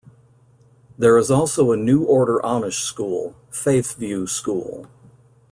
There is also a New Order Amish School, Faith View School.